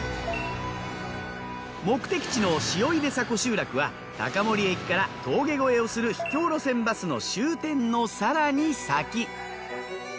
目的地の塩出迫集落は高森駅から峠越えをする秘境路線バスの終点の更に先。